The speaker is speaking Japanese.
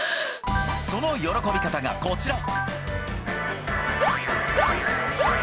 その喜び方がこちら。